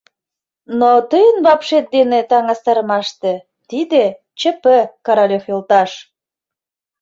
Но тыйын вапшет дене таҥастарымаште, тиде — ЧП, Королёв йолташ!